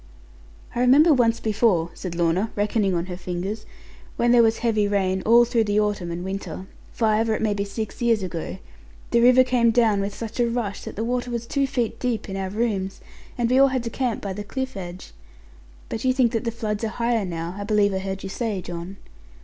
'I remember once before,' said Lorna, reckoning on her fingers, 'when there was heavy rain, all through the autumn and winter, five or it may be six years ago, the river came down with such a rush that the water was two feet deep in our rooms, and we all had to camp by the cliff edge. But you think that the floods are higher now, I believe I heard you say, John.'